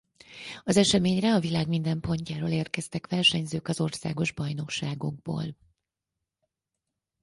Az eseményre a világ minden pontjáról érkeztek versenyzők az országos bajnokságokból.